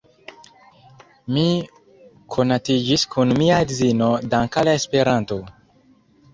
Mi konatiĝis kun mia edzino dankʼ al Esperanto.